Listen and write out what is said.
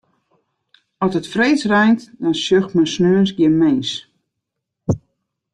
As it freeds reint, dan sjocht men sneons gjin mins.